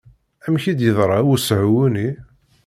Amek i d-yeḍra usehwu-nni?